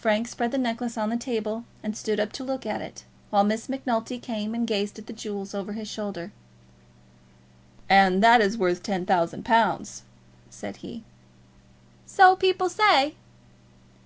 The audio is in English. Frank spread the necklace on the table, and stood up to look at it, while Miss Macnulty came and gazed at the jewels over his shoulder. "And that is worth ten thousand pounds," said he. "So people say."